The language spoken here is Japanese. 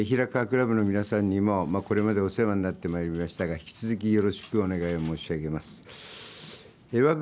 平河クラブの皆さんに、これまでお世話になってまいりましたが、引き続きよろしくお願いを申し上げます。